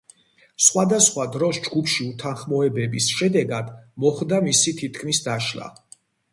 სხვადასხვა დროს ჯგუფში უთანხმოებების შედეგად, მოხდა მისი თითქმის დაშლა.